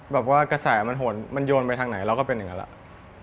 แบบว่ากระแสมันหนมันโยนไปทางไหนเราก็เป็นอย่างนั้นแหละ